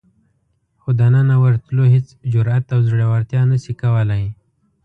خو دننه ورتلو هېڅ جرئت او زړورتیا نشي کولای.